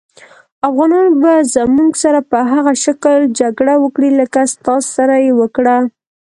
افغانان به زموږ سره په هغه شکل جګړه وکړي لکه ستاسې سره یې وکړه.